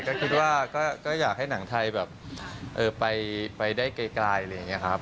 ก็คิดว่าก็อยากให้หนังไทยแบบไปได้ไกลอะไรอย่างนี้ครับ